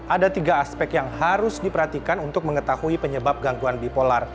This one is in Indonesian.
ada tiga aspek yang harus diperhatikan untuk mengetahui penyebab gangguan bipolar